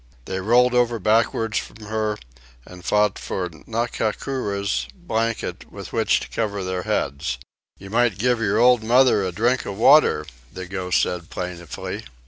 They rolled over backward from her and fought for Ngakura's blanket with which to cover their heads. "You might give your old mother a drink of water," the ghost said plaintively.